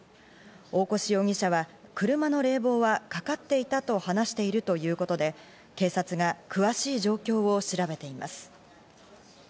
大越容疑者は車の冷房はかかっていたと話しているということで、警察が詳しい状況を調べています。